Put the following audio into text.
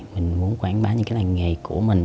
mình muốn quảng bá những cái làng nghề của mình